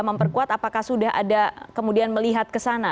memperkuat apakah sudah ada kemudian melihat kesana